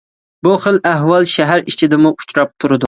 بۇ خىل ئەھۋال شەھەر ئىچىدىمۇ ئۇچراپ تۇرىدۇ.